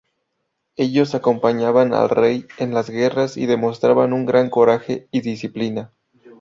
Ellos acompañaban al rey en las guerras y demostraban un gran coraje y disciplina.